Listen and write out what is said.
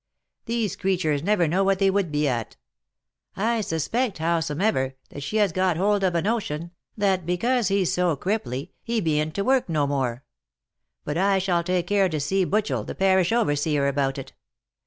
These creturs never know what they would be at. I suspect, how somever, that she has got hold of a notion, that because he's so cripply, he beant to work no more ; but I shall take care to see Butchel, the parish overseer, about it.